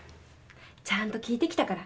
ちゃんと聞いてきたから。